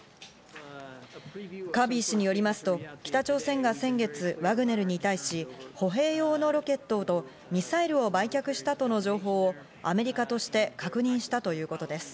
カービー氏によりますと、北朝鮮が先月、ワグネルに対し、歩兵用のロケットとミサイルを売却したとの情報をアメリカとして確認したということです。